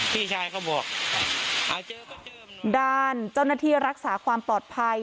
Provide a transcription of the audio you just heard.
พี่ชายเขาบอกด้านเจ้าหน้าที่รักษาความปลอดภัย